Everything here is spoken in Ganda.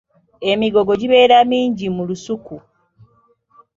Emigogo gibeera mingi mu lusuku.